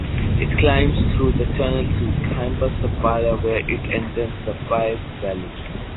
It climbs through the tunnel to Cima Sappada, where it enters the Piave Valley.